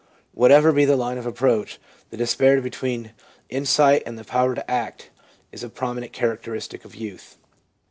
Whatever be the line of approach, the disparity between insight and the power to act is a prominent characteristic of youth.